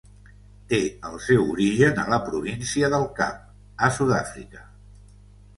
Té el seu origen a la Província del Cap, a Sud-àfrica.